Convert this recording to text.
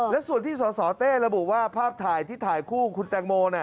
และส่วนที่สสเต้ระบุว่าภาพถ่ายที่ถ่ายคู่คุณแตงโม